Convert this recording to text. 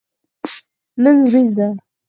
نن وريځ ده